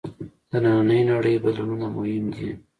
د نننۍ نړۍ بدلونونه مهم دي.